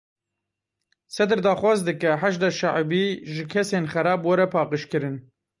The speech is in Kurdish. Sedr daxwaz dike Heşda Şeibî ji kesên xerab were paqijkirin.